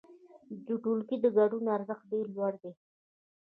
د ټولګي د ګډون ارزښت ډېر لوړ دی.